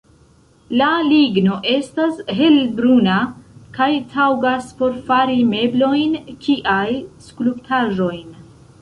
La ligno estas helbruna kaj taŭgas por fari meblojn kiaj skulptaĵojn.